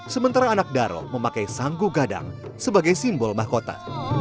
sementara anak daro memakai sanggu gadang sebagai simbol mahkota